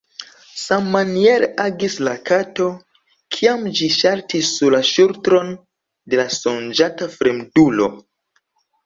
Sammaniere agis la kato, kiam ĝi saltis sur la ŝultron de la sonĝanta fremdulo.